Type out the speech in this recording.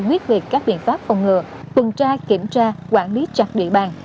nguyết việc các biện pháp phòng ngừa tuần tra kiểm tra quản lý chặt địa bàn